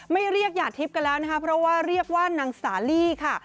เรียกหยาดทิพย์กันแล้วนะคะเพราะว่าเรียกว่านางสาลี่ค่ะ